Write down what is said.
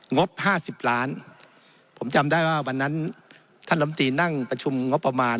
งบห้าสิบล้านผมจำได้ว่าวันนั้นท่านลำตีนั่งประชุมงบประมาณ